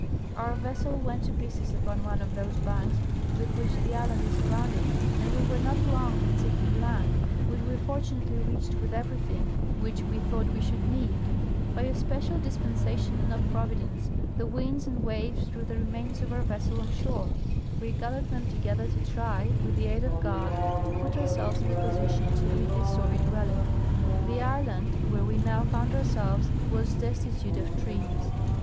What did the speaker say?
Our vessel Avent to j)ieces upon one of those banks Avith which the island is surrounded, and we Avere not long in seek ing land, which A\'e fortunately reached with everything which we thought Ave should need. By a special dispensation of Providence, the winds and waves threAV the remains of our v^essel on shore ; Ave gathered them to 228 General A. W. Greely — Bering's First Voyage. gether to try, with the aid of God, to put ourselves in a position to leave this sorry dwelling. The island where we now found ourselves was des titute of trees.